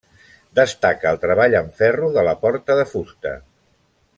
Destaca el treball en ferro de la porta de fusta.